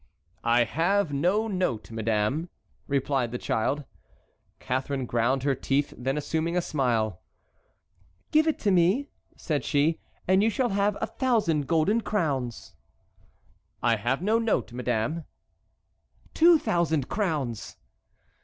"I have no note, madame," repeated the child. Catharine ground her teeth; then assuming a smile: "Give it to me," said she, "and you shall have a thousand golden crowns." "I have no note, madame." "Two thousand crowns."